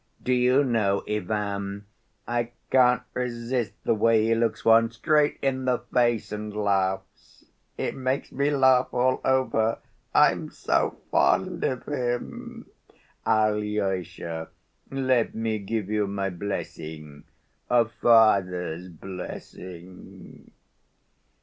Do you know, Ivan, I can't resist the way he looks one straight in the face and laughs? It makes me laugh all over. I'm so fond of him. Alyosha, let me give you my blessing—a father's blessing."